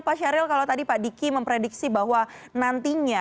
pak syahril kalau tadi pak diki memprediksi bahwa nantinya